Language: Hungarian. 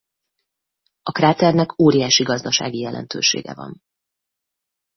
A kráternek óriási gazdasági jelentősége van.